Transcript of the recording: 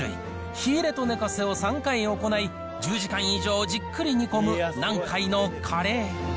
火入れと寝かせを３回行い、１０時間以上、じっくり煮込む南海のカレー。